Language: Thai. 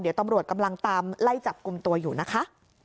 เดี๋ยวตำรวจกำลังตามไล่จับกลุ่มตัวอยู่นะคะ